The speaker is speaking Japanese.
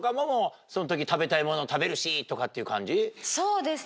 そうですね